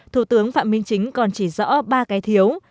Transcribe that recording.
thủ tướng phạm minh chính còn chỉ rõ ba cái thiếu